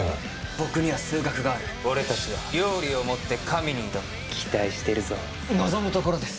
僕には数学がある俺たちは料理をもって神に挑む期待してるぞ望むところです